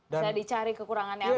bisa dicari kekurangannya apa